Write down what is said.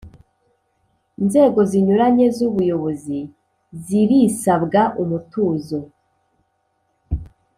inzego zinyuranye zubuyobozi zirisabwa umutuzo